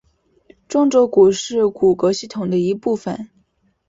中轴骨是骨骼系统的一部分。